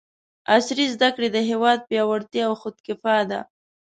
عصري زده کړې د هېواد پیاوړتیا او خودکفاء ده!